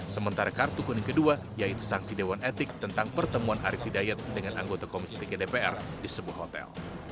sementara kartu kuning kedua yaitu sanksi dewan etik tentang pertemuan arief hidayat dengan anggota komisi tiga dpr di sebuah hotel